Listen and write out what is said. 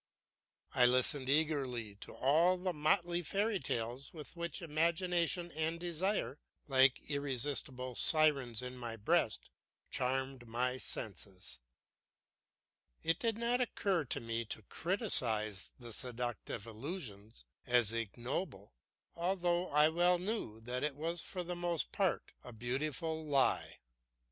I listened eagerly to all the motley fairy tales with which imagination and desire, like irresistible sirens in my breast, charmed my senses. It did not occur to me to criticise the seductive illusion as ignoble, although I well knew that it was for the most part a beautiful lie.